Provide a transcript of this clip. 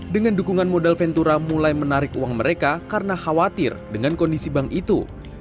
dengan dukungan modal ventura mulai menarik uang mereka karena khawatir dengan kondisi bank itu